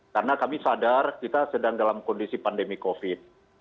karena kami sadar kita sedang dalam kondisi pandemi covid